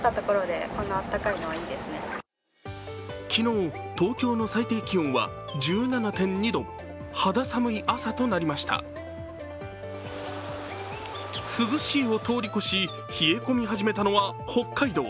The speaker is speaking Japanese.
昨日、東京の最低気温は１７．２度、涼しいを通り越し、冷え込み始めたのは北海道。